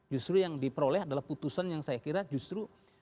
justru yang diperoleh adalah putusan yang saya kira justru